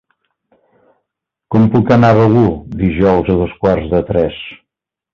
Com puc anar a Begur dijous a dos quarts de tres?